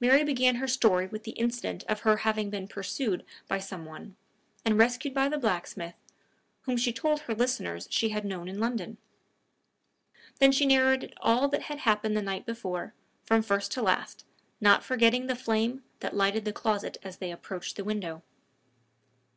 Mary began her story with the incident of her having been pursued by some one, and rescued by the blacksmith, whom she told her listeners she had known in London. Then she narrated all that had happened the night before, from first to last, not forgetting the flame that lighted the closet as they approached the window.